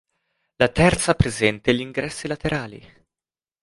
La terza presente gli ingressi laterali.